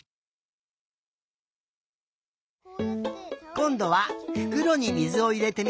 こんどはふくろにみずをいれてみたよ。